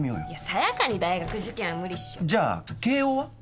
さやかに大学受験は無理っしょじゃあ慶應は？